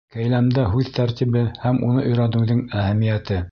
Кәйләмдә Һүҙ тәртибе һәм уны өйрәнеүҙең әһәмиәте